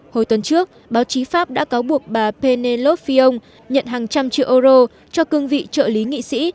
hồi tuần trước báo chí pháp đã cáo buộc bà penellof phion nhận hàng trăm triệu euro cho cương vị trợ lý nghị sĩ